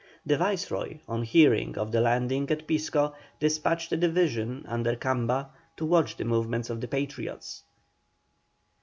The Viceroy, on hearing of the landing at Pisco, despatched a division, under Camba, to watch the movements of the Patriots.